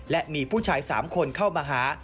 และมีผู้ชาย๓คนเข้ามาหา